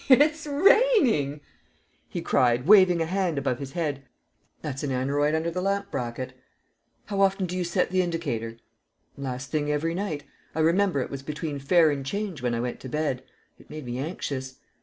"It's raining!" he cried, waving a hand above his head. "Have you a barometer, Mr. Garland?" "That's an aneroid under the lamp bracket." "How often do you set the indicator?" "Last thing every night. I remember it was between Fair and Change when I went to bed. It made me anxious."